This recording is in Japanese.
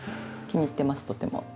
気に入ってますとても。